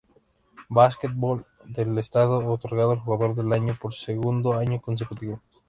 Basketball del Estado otorgado al Jugador del Año por segundo año consecutivo.